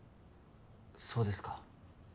そうですか。